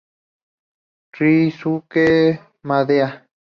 Ryosuke Maeda